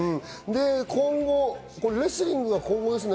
今後、レスリングですね。